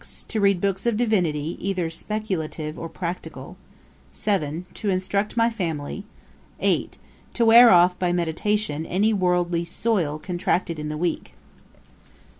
To read books of Divinity, either speculative or practical. '7. To instruct my family. '8. To wear off by meditation any worldly soil contracted in the week.'